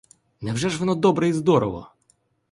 Невже ж воно добре і здорово?